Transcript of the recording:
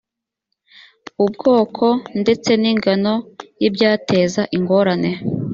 ubwoko ndetse n ingano y ibyateza ingorane